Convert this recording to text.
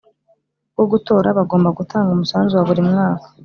bwo gutora Bagomba gutanga umusanzu wa buri mwaka